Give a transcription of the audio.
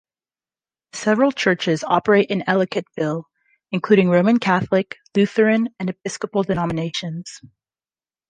Several churches operate in Ellicottville, including Roman Catholic, Lutheran and Episcopal denominations.